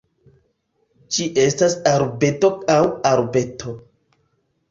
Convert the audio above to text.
Ĝi estas arbedo aŭ arbeto.